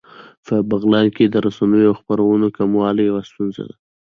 په بغلان کې د رسنیو او خپرونو کموالی يوه ستونزه ده